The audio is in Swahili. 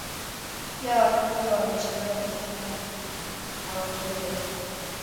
Pia Wakikuyu wanachanganya majina mengi na Wakurya